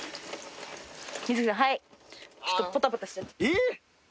えっ！？